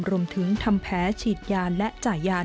รวมถึงทำแพ้ฉีดยาและจ่ายยา